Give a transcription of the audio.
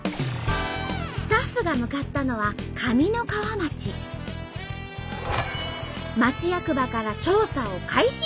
スタッフが向かったのは町役場から調査を開始。